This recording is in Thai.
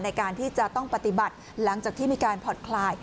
ในการที่จะต้องปฏิบัติหลังจากที่มีการผ่อนคลาย